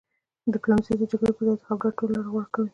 ډیپلوماسي د جګړې پر ځای د خبرو اترو لاره غوره کوي.